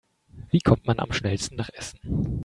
Wie kommt man am schnellsten nach Essen?